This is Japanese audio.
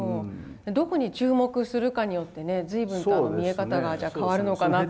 どこに注目するかによってね随分と見え方がじゃあ変わるのかなと。